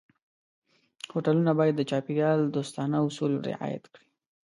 هوټلونه باید د چاپېریال دوستانه اصول رعایت کړي.